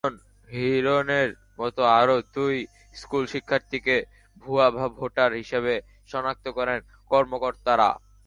সুমন, হিরণের মতো আরও দুই স্কুলশিক্ষার্থীকে ভুয়া ভোটার হিসেবে শনাক্ত করেন কর্মকর্তারা।